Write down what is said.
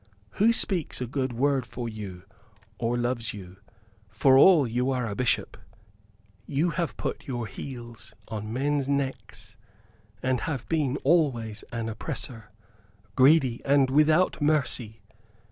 Who speaks a good word for you or loves you, for all you are a Bishop? You have put your heels on men's necks; and have been always an oppressor, greedy and without mercy.